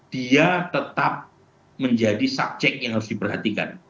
dia tetap menjadi subjek yang harus diperhatikan